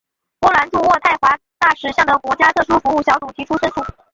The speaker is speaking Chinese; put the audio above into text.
波兰驻渥太华大使向的国家特殊服务小组提出申诉。